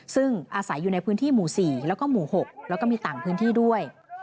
ซึ่งอาศัยอยู่ในพื้นที่หมู่๔แล้วก็หมู่๖แล้วก็มีต่างพื้นที่ด้วย